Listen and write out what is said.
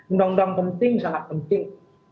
undang undang penting sangat penting